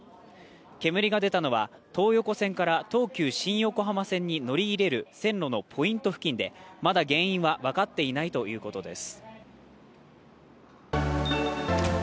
煙が出たのは東横線から東急新横浜線に乗り入れる線路のポイント付近でまだ原因は分かっていないということです。